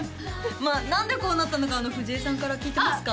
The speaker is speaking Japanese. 何でこうなったのかは藤江さんから聞いてますか？